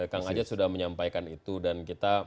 kang ajad sudah menyampaikan itu dan